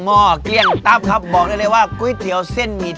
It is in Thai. ก็คงจะมีการสั่งเกิดขึ้นอีก